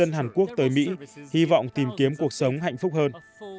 những người đi lễ hàn quốc tới mỹ hy vọng tìm kiếm cuộc sống hạnh phúc hơn